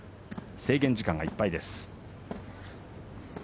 制限時間がいっぱいです。